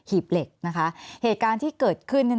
แอนตาซินเยลโรคกระเพาะอาหารท้องอืดจุกเสียดแสบร้อน